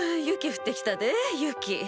雪降ってきたで雪。